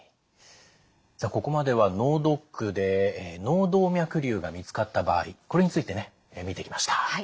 さあここまでは脳ドックで脳動脈瘤が見つかった場合これについて見てきました。